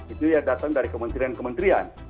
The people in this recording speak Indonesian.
itu ya datang dari kementerian kementerian